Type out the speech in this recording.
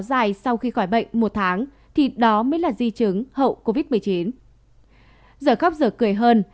dài sau khi khỏi bệnh một tháng thì đó mới là di chứng hậu covid một mươi chín giờ khóc giờ cười hơn